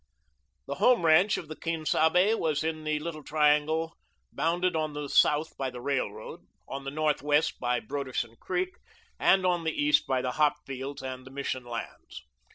The Home ranch of the Quien Sabe was in the little triangle bounded on the south by the railroad, on the northwest by Broderson Creek, and on the east by the hop fields and the Mission lands.